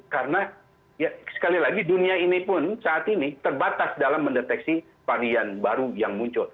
karena sekali lagi dunia ini pun saat ini terbatas dalam mendeteksi varian baru yang muncul